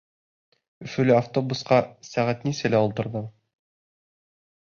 Өфөлә автобусҡа сәғәт нисәлә ултырҙың?